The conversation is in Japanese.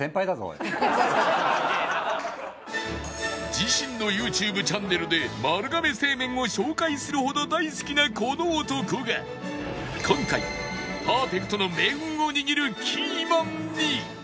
自身の ＹｏｕＴｕｂｅ チャンネルで丸亀製麺を紹介するほど大好きなこの男が今回パーフェクトの命運を握るキーマンに！